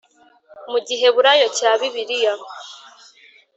Mu Giheburayo cya Bibiliya